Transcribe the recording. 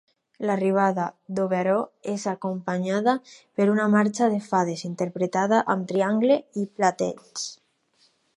L'arribada d'Oberó és acompanyada per una marxa de fades, interpretada amb triangle i platets.